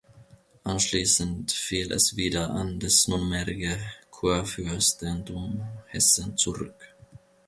Anschließend fiel es wieder an das nunmehrige Kurfürstentum Hessen zurück.